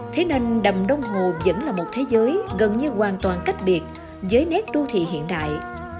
thế nên đầm đông hồ vẫn là một thế giới gần như hoàn toàn cách biệt với nét đô thị hiện đại